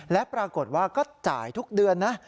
และปรากฏว่าก็จ่ายทุกเดือนนะ